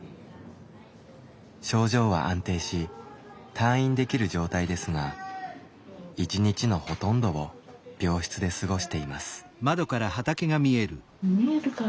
症状は安定し退院できる状態ですが一日のほとんどを病室で過ごしています。